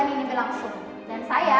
terima kasih nya